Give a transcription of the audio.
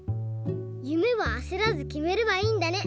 ゆめはあせらずきめればいいんだね。